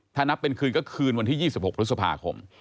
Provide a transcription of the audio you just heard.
ถ้านับเป็นคืนก็คืนวันที่๒๖พฤษภาคม